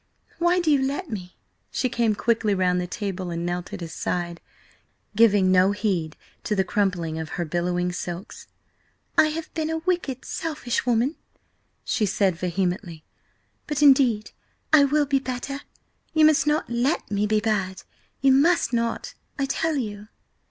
Why do you let me?" She came quickly round the table and knelt at his side, giving no heed to the crumpling of her billowing silks. "I have been a wicked, selfish woman!" she said vehemently. "But indeed I will be better. You must not let me be bad–you must not, I tell you!"